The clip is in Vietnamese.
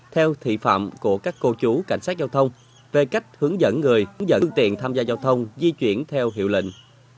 theo thị phạm của các cô chú cảnh sát giao thông về cách hướng dẫn người hướng dẫn tiện tham gia giao thông di chuyển theo hiệu lệnh